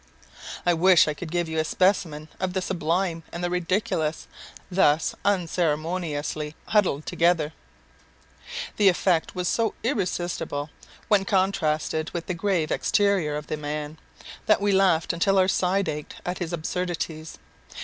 I wish I could give you a specimen of the sublime and the ridiculous, thus unceremoniously huddled together. The effect was so irresistible, when contrasted with the grave exterior of the man; that we laughed until our side ached at his absurdities.